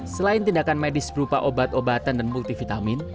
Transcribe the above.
selain tindakan medis berupa obat obatan dan multivitamin